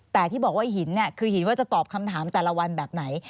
แต่ที่บอกว่าหินคือหินว่าจะตอบคำถามแต่ละวันแบบไหน